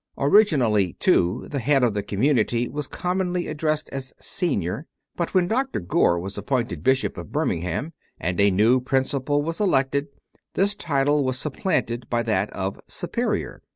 Originally, too, the head of the community was commonly addressed as "Senior," but when Dr. Gore was appointed Bishop of Birmingham and a new principal was elected, this title was supplanted by that of "Superior."